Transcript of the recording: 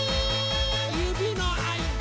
ゆびのあいだ！